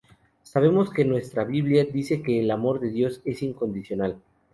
Sabemos que nuestra Biblia dice que el amor de Dios es incondicional.